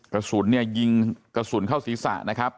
กระสุนเนี่ยยิงกระสุนเข้าศีรษะนะครับ